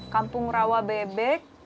kampung rawa bebek